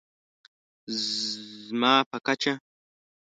زما په کچه